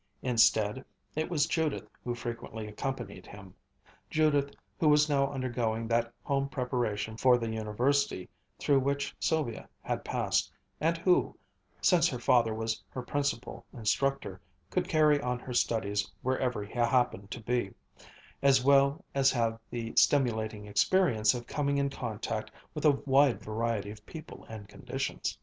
Instead, it was Judith who frequently accompanied him, Judith who was now undergoing that home preparation for the University through which Sylvia had passed, and who, since her father was her principal instructor, could carry on her studies wherever he happened to be; as well as have the stimulating experience of coming in contact with a wide variety of people and conditions.